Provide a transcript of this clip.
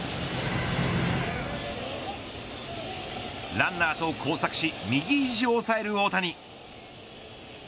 ランナーと交錯し右ひじを抑える大谷。